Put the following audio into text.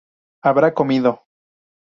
Habrá comido